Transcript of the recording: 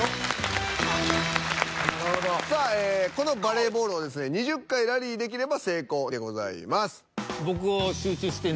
このバレーボールをですね２０回ラリーできれば成功でございます。